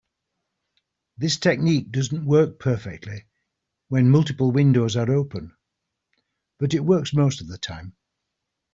This technique doesn't work perfectly when multiple windows are open, but it works most of the time.